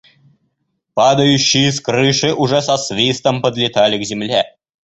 Падающие с крыши уже со свистом подлетали к земле.